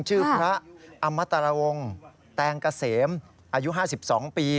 ชื่อพระอมตรวงศ์แตงเกษมอายุ๕๒ปี